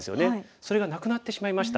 それがなくなってしまいました。